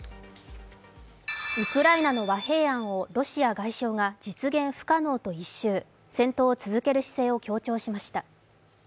ウクライナの和平案をロシア外相が実現不可能と一蹴戦闘を続ける姿勢を強調しました。